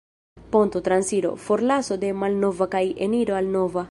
Ponto: Transiro, forlaso de malnova kaj eniro al nova.